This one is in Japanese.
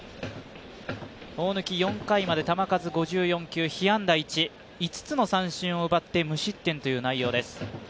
大貫、４回まで球数５４球、被安打１、５つの三振を奪って無失点という内容です。